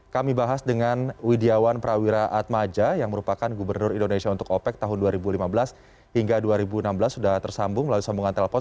kami bahas dengan widiawan prawira atmaja yang merupakan gubernur indonesia untuk opec tahun dua ribu lima belas hingga dua ribu enam belas sudah tersambung melalui sambungan telepon